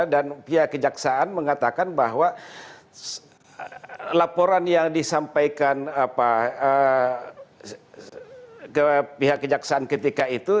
dan pihak kejaksaan mengatakan bahwa laporan yang disampaikan ke pihak kejaksaan ketika itu